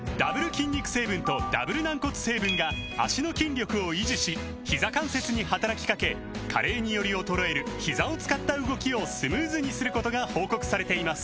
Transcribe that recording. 筋肉成分とダブル軟骨成分が脚の筋力を維持しひざ関節に働きかけ加齢により衰えるひざを使った動きをスムーズにすることが報告されています